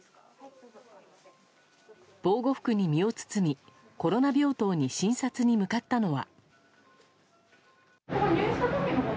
防護服に身を包み、コロナ病棟に診察に向かったのは。